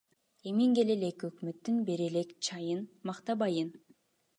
Эми келе элек өкмөттүн бере элек чайын мактабайын.